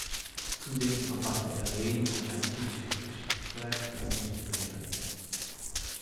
Zudem verfasste er Reden und ein griechisches Geschichtswerk, das nicht überliefert ist.